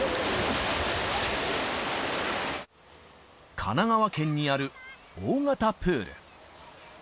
神奈川県にある大型プール。